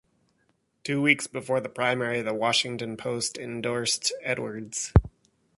Two weeks before the primary, the "Washington Post" endorsed Edwards.